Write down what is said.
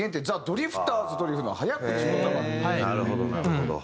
なるほどなるほど。